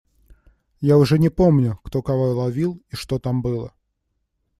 Я уже не помню, кто кого ловил и что там было.